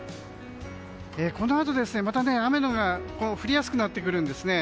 このあと、また雨が降りやすくなってくるんですね。